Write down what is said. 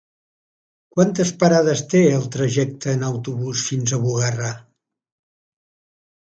Quantes parades té el trajecte en autobús fins a Bugarra?